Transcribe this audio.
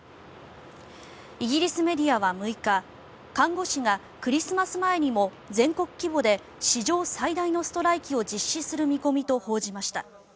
イギリスメディアは６日看護師がクリスマス前にも全国規模で史上最大のストライキを実施する見込みと報じました。